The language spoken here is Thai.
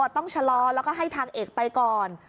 ต้องชะลอแล้วก็ให้ทางเอกไปก่อน